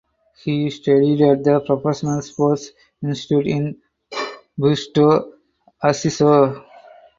He studies at the professional sports institute in Busto Arsizio.